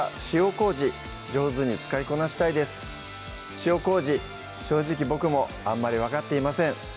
塩麹正直僕もあんまり分かっていません